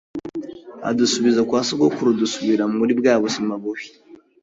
adusubiza kwa sogokuru dusubira muri bwa buzima bubi